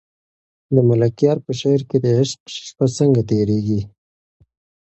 د ملکیار په شعر کې د عشق شپه څنګه تېرېږي؟